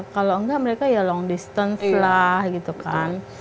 kalau enggak mereka ya long distance lah gitu kan